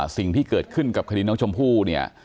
สิ่งที่เกิดขึ้นกับคดีน้องชมพู่เนี่ย